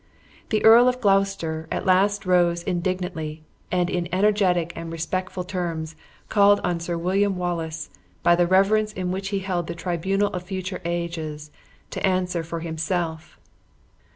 The Earl of Gloucester at last rose indignantly, and in energetic and respectful terms, called on Sir William Wallace, by the reverence in which he held the tribunal of future ages, to answer for himself!